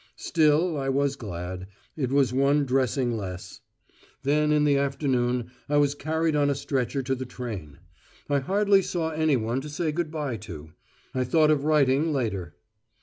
Still I was glad, it was one dressing less! Then in the afternoon I was carried on a stretcher to the train. I hardly saw anyone to say good bye to. I thought of writing later.